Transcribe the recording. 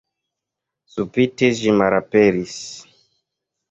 Subite ĝi malaperis.